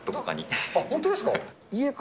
本当ですか。